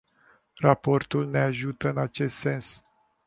Raportul ne ajută în acest sens.